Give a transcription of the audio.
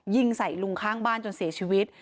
ยิงใส่ลุงข้างบ้านจนเสียชีวิต